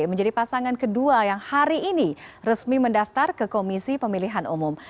menjadi pasangan kedua yang hari ini resmi mendaftar ke komisi pemilihan umum